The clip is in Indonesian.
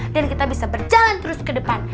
dan kita bisa berjalan terus ke depan